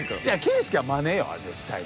圭佑はまねよあれ絶対に。